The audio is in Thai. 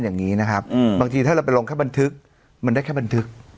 อย่างนี้นะครับบางทีถ้าเราไปลงแค่บันทึกมันได้แค่บันทึก